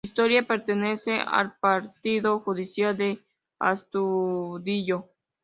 Historia: Pertenece al Partido Judicial de Astudillo.